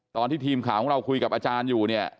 ตอนที่ทีมข่าวของเราคุยกับอาจารย์อยู่เนี่ย